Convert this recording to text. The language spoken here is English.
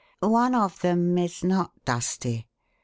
One of them is not dusty.